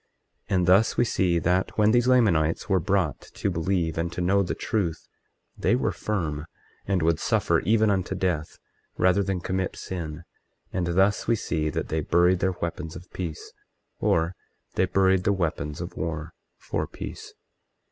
24:19 And thus we see that, when these Lamanites were brought to believe and to know the truth, they were firm, and would suffer even unto death rather than commit sin; and thus we see that they buried their weapons of peace, or they buried the weapons of war, for peace.